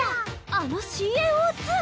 あのＣＡＯ−２が。